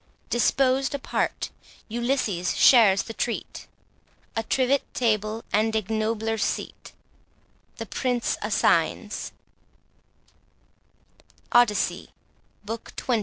Disposed apart, Ulysses shares the treat; A trivet table and ignobler seat, The Prince assigns— ODYSSEY, Book XXI.